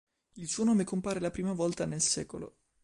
Il suo nome compare la prima volta nel sec.